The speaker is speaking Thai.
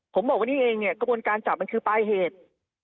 ผมบอกว่านี่เองเนี่ยกระบวนการจับมันคือปลายเหตุ